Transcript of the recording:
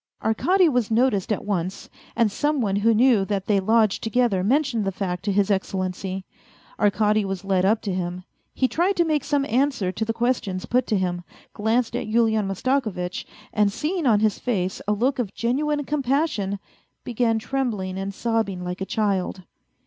Arkady was noticed at once, and some one who knew that they lodged to gether mentioned the fact to His Excellency. Arkady was led up to him. He tried to make some answer to the questions put to him, glanced at Yulian Mastakovitch and seeing on his face a look of genuine compassion, began trembling and sobbing like a child.